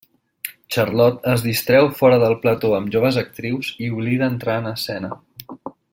Charlot es distreu fora del plató amb joves actrius i oblida entrar en escena.